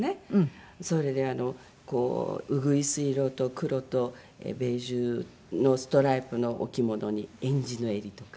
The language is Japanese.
それでうぐいす色と黒とベージュのストライプのお着物にえんじの襟とか。